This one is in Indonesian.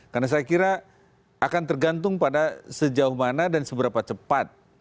karena saya kira akan tergantung pada sejauh mana dan seberapa cepat